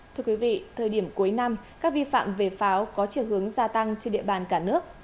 thưa quý vị thời điểm cuối năm các vi phạm về pháo có chiều hướng gia tăng trên địa bàn cả nước